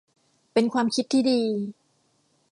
เป็นความคิดที่ดี